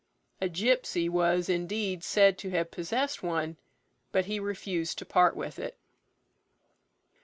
A gipsy was, indeed, said to have possessed one, but he refused to part with it.